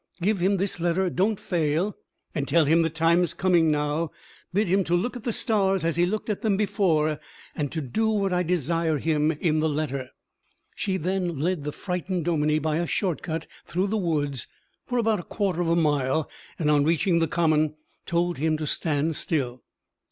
Give him this letter, don't fail, and tell him the time's coming now. Bid him to look at the stars as he looked at them before, and to do what I desire him in the letter." She then led the frightened dominie by a short cut through the woods for about a quarter of a mile, and on reaching the common told him to stand still.